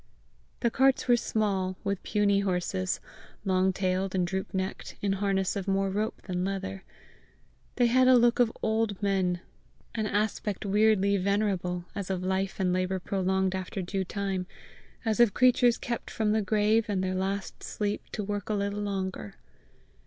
The carts were small, with puny horses, long tailed and droop necked, in harness of more rope than leather. They had a look of old men, an aspect weirdly venerable, as of life and labour prolonged after due time, as of creatures kept from the grave and their last sleep to work a little longer.